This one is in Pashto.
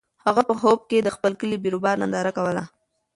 هغه په خوب کې د خپل کلي د بیروبار ننداره کوله.